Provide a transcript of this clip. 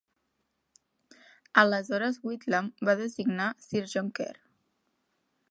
Aleshores Whitlam va designar Sir John Kerr.